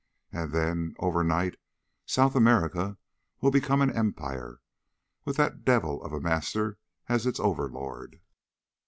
And then, overnight, South America will become an empire, with that devil of a Master as its overlord."